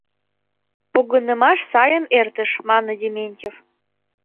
— Погынымаш сайын эртыш, — мане Дементьев.